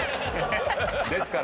ですから。